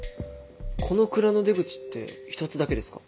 この蔵の出口って１つだけですか？